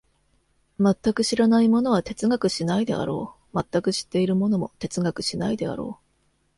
全く知らない者は哲学しないであろう、全く知っている者も哲学しないであろう。